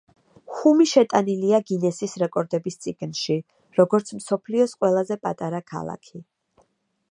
ჰუმი შეტანილია გინესის რეკორდების წიგნში, როგორც მსოფლიოს ყველაზე პატარა ქალაქი.